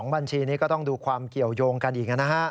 บัญชีนี้ก็ต้องดูความเกี่ยวยงกันอีกนะฮะ